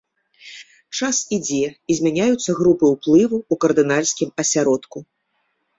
Час ідзе і змяняюцца групы ўплыву ў кардынальскім асяродку.